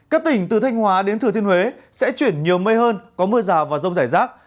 các tỉnh từ thanh hóa đến thừa thiên huế sẽ chuyển nhiều mây hơn có mưa rào và rông rải rác